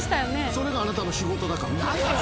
それがあなたの仕事だからね。